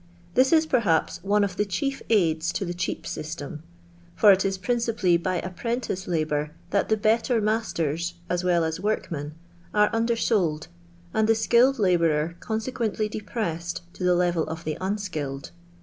This is, perhaps, one of the chief aids to the cheap system. For it is principally by apprentice labour that the better masters, as well as workmen, are undersold, and the skilled labourer conse quently depressed to the level of the unskilled.